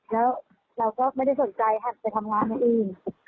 แล้วเราก็ไม่ได้สนใจหันไปทำงานเอง